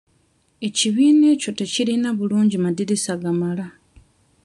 Ekibiina ekyo tekirina bulungi madirisa gamala.